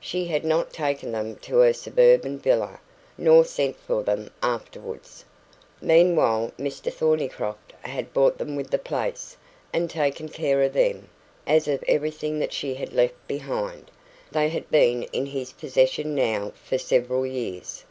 She had not taken them to her suburban villa, nor sent for them afterwards. Meanwhile, Mr Thornycroft had bought them with the place, and taken care of them, as of everything that she had left behind. They had been in his possession now for several years.